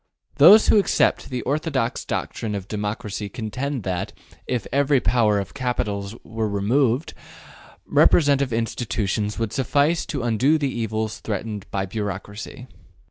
Those who accept the orthodox doctrine of democracy contend that, if ever the power of capital were removed, representative institutions would suffice to undo the evils threatened by bureaucracy.